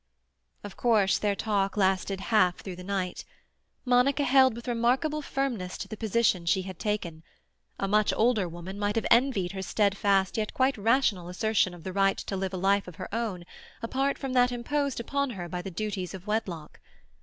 Of course their talk lasted half through the night. Monica held with remarkable firmness to the position she had taken; a much older woman might have envied her steadfast yet quite rational assertion of the right to live a life of her own apart from that imposed upon her by the duties of wedlock.